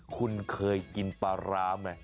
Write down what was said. คุณเคยกินปลาร้าไหม